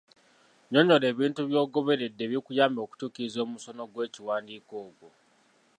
Nnyonnyola ebintu by'ogoberedde ebikuyambye okutuukiriza omusono gw'ekiwandiiko ogwo.